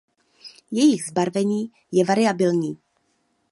Jejich zbarvení je variabilní.